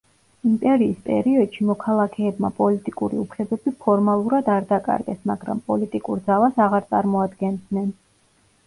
იმპერიის პერიოდში მოქალაქეებმა პოლიტიკური უფლებები ფორმალურად არ დაკარგეს, მაგრამ პოლიტიკურ ძალას აღარ წარმოადგენდნენ.